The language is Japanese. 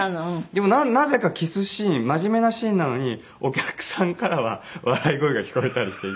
でもなぜかキスシーン真面目なシーンなのにお客さんからは笑い声が聞こえたりしていて。